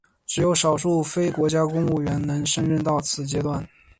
只有少数非国家公务员能升任到此阶级。